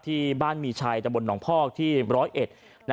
ที่บ้านมีชัยตะบลหนองพอกที่ร้อยเอ็ด